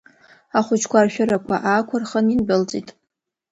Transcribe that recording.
Ахәыҷқәа ршәырақәа аақәырхын, индәылҵит.